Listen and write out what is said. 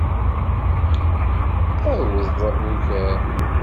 Aweḍ ugar.